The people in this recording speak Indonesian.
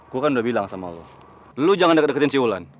gua kan udah bilang sama lu lu jangan deket deketin si wulan